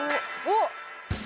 おっ！